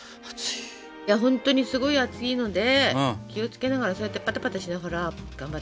本当にすごい熱いので気をつけながらそうやってパタパタしながら頑張って。